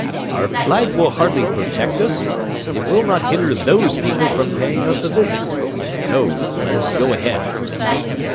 "Our flag will hardly protect us, and it will not hinder those people from paying us a visit. No; let us go ahead."